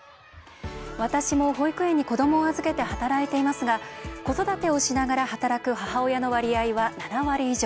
私も保育園に子どもを預けて働いていますが子育てをしながら働く母親の割合は７割以上。